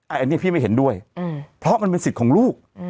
อันนี้พี่ไม่เห็นด้วยเพราะมันเป็นสิทธิ์ของลูก